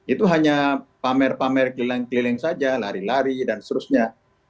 itu hanya pamer pamer keliling keliling saja lari lari dan seterusnya